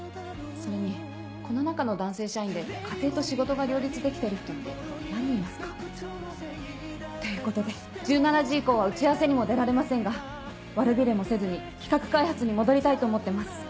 それにこの中の男性社員で家庭と仕事が両立できてる人って何人いますか？ということで１７時以降は打ち合わせにも出られませんが悪びれもせずに企画開発に戻りたいと思ってます。